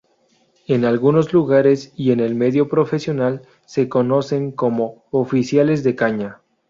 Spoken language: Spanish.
En algunos lugares y en el medio profesional se conocen como "oficiales de caña".